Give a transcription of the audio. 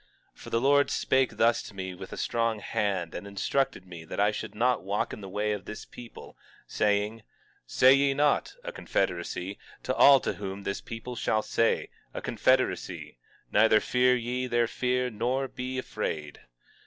18:11 For the Lord spake thus to me with a strong hand, and instructed me that I should not walk in the way of this people, saying: 18:12 Say ye not, A confederacy, to all to whom this people shall say, A confederacy; neither fear ye their fear, nor be afraid.